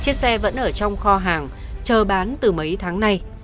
chiếc xe vẫn ở trong kho hàng chờ bán từ mấy tháng nay